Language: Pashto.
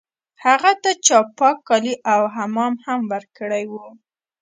هغه ته چا پاک کالي او حمام هم ورکړی و